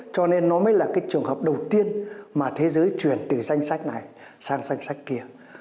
cho nên nó mới là cái trường hợp đầu tiên mà thế giới chuyển từ danh sách này sang danh sách kia